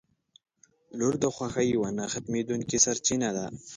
• لور د خوښۍ یوه نه ختمېدونکې سرچینه ده.